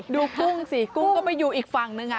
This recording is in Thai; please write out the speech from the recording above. กุ้งสิกุ้งก็ไปอยู่อีกฝั่งนึง